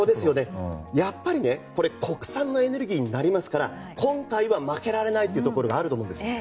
やっぱり、国産のエネルギーになりますから今回は負けられないところがあると思います。